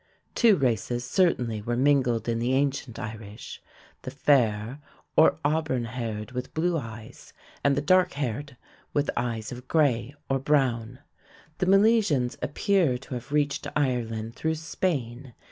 Two races certainly were mingled in the ancient Irish, the fair or auburn haired with blue eyes, and the dark haired with eyes of gray or brown. The Milesians appear to have reached Ireland through Spain.